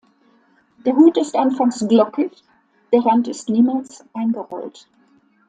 Der Hut ist anfangs glockig, der Rand ist niemals eingerollt.